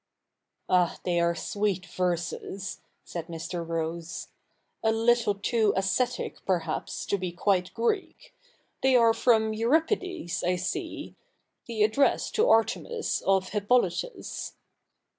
' 'Ah, they are sweet verses,' said Mr. Rose; 'a little too ascetic, perhaps, to be quite Greek. They are from Euripides, I see — the address to Artemis of Hippolytus.'